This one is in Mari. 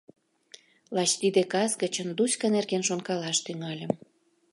Лач тиде кас гычын Дуська нерген шонкалаш тӱҥальым...